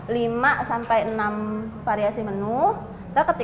kita ketika makan sarapan kita mencari menu yang lebih sedikit